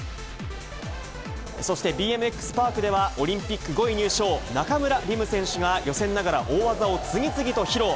そして、ＢＭＸパークでは、オリンピック５位入賞、中村輪夢選手が、予選ながら大技を次々と披露。